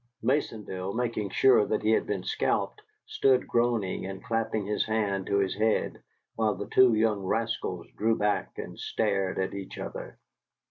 Maisonville, making sure that he had been scalped, stood groaning and clapping his hand to his head, while the two young rascals drew back and stared at each other.